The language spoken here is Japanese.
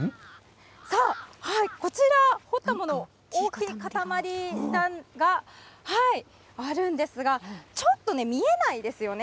さあ、はい、こちら掘ったもの、大きい固まりがあるんですが、ちょっと見えないんですよね。